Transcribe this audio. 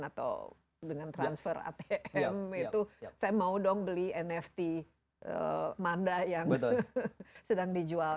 atau dengan transfer atm itu saya mau dong beli nft manda yang sedang dijual